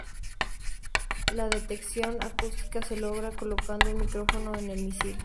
La detección acústica se logra colocando un micrófono en el misil.